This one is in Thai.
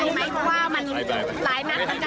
เพราะว่ามันหลายนักกันกัน